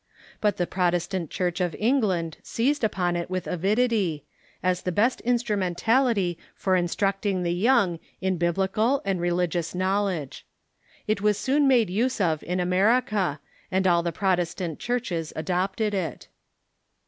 But the Protestant Origin (ji^^^j.^.]^ ^f England seized upon it with avidity, as the best instrumentality for instructing the young in Biblical and religious knowledge. It Avas soon made use of in x\merica, and all the Protestant churches adopted it.